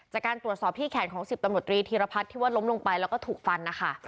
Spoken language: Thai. จากการตรวจสอบที่แขนของ๑๐ตำรวจตรีธีรพัฒน์ที่ว่าล้มลงไปแล้วก็ถูกฟันนะคะ